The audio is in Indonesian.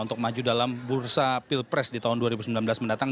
untuk maju dalam bursa pilpres di tahun dua ribu sembilan belas mendatang